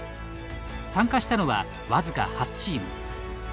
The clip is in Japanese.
参加したのは僅か８チーム。